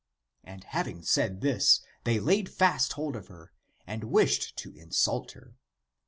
And having said this, they laid fast hold of her, and wished to insult her.